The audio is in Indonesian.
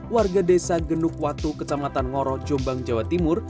warga desa genuk watu kecamatan ngoro jombang jawa timur